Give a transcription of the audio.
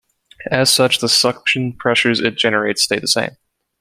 As such, the suction pressures it generates stay the same.